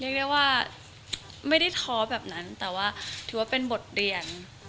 เรียกได้ว่าไม่ได้ท้อแบบนั้นแต่ว่าถือว่าเป็นบทเรียน